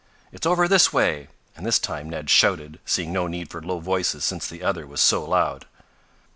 "It's over this way!" and this time Ned shouted, seeing no need for low voices since the other was so loud.